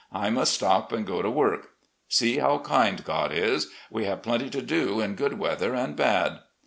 I must stop and go to work. See how kind God is; we have plenty to do in good weather and bad.